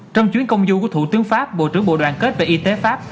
trong chuyến công du của thủ tướng pháp bộ trưởng bộ đoàn kết về y tế pháp